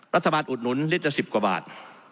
อุดหนุนลิตรละ๑๐กว่าบาท